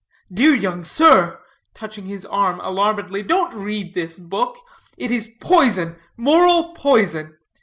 "Dear young sir," touching his arm alarmedly, "don't read this book. It is poison, moral poison.